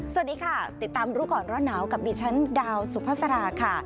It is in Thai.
สวัสดีค่ะติดตามรู้ก่อนร้อนหนาวกับดิฉันดาวสุภาษาราค่ะ